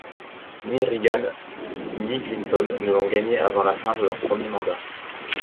Ni Reagan, ni Clinton ne l'ont gagné avant la fin de leur premier mandat.